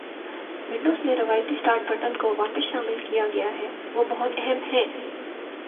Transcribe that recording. Windows میں روایتی start button کو واپس شامل کیا گیا ہے وہ بہت أہم ہیں